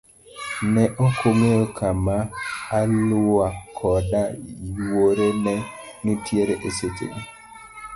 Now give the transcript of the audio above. Ne okong'eyo kama Alua koda yuore ne nitiere e seche go.